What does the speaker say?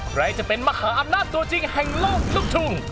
ใครจะเป็นมหาอำนาจตัวจริงแห่งโลกลูกทุ่ง